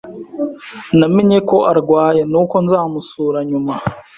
Namenye ko arwaye, nuko nzamusura nyuma.